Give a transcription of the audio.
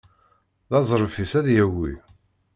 D azref-is ad yagi.